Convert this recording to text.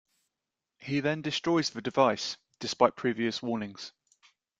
He then destroys the device, despite previous warnings.